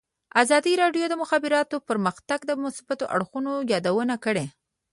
ازادي راډیو د د مخابراتو پرمختګ د مثبتو اړخونو یادونه کړې.